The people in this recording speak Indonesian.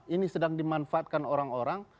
ini sedang dimanfaatkan orang orang